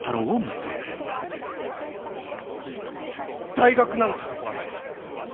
大学なんてとこはな